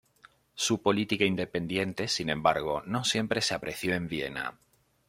Sus política independiente, sin embargo, no siempre se apreció en Viena.